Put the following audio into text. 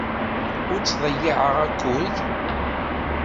Ur ttḍeyyiɛeɣ akud.